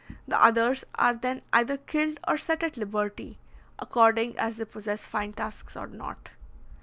The others are then either killed or set at liberty, according as they possess fine tusks or not.